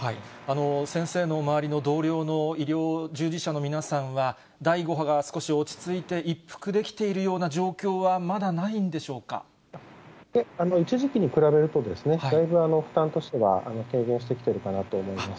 先生の周りの同僚の医療従事者の皆さんは、第５波が少し落ち着いて一服できているような状況はまだないんでいえ、一時期に比べると、だいぶ負担箇所が軽減をしてきているかなと思います。